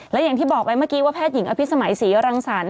และอย่างที่บอกไปเมื่อกี้ว่าแพทย์หญิงอภิษมัยศรีรังสรรค